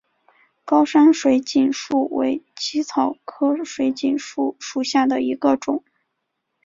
高山水锦树为茜草科水锦树属下的一个种。